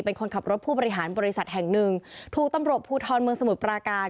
เป็นคนขับรถผู้บริหารบริษัทแห่งหนึ่งถูกตำรวจภูทรเมืองสมุทรปราการ